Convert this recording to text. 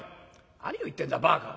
何を言ってんだバカ。